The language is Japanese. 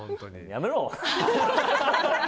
やめろ！